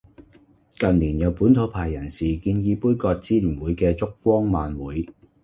近年有本土派人士建議杯葛支聯會嘅燭光晚會